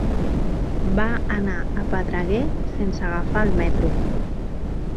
Va anar a Pedreguer sense agafar el metro.